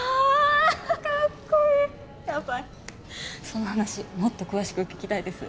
その話もっと詳しく聞きたいです。